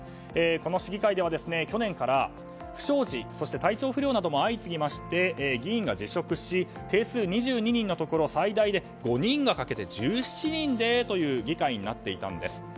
この市議会では、去年から不祥事そして体調不良が相次ぎまして議員が辞職し定数２２人のところ最大で５人が欠けて１７人でという議会になっていたんです。